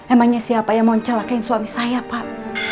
emangnya siapa yang mau celakin suami saya pak